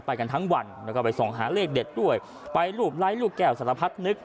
ไปกันทั้งวันแล้วก็ไปส่องหาเลขเด็ดด้วยไปลูบไลท์ลูกแก่วศาลพัฒน์นึก